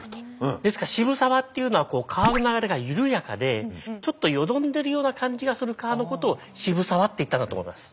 ですから渋沢っていうのは川の流れが緩やかでちょっとよどんでるような感じがする川のことを渋沢って言ったんだと思います。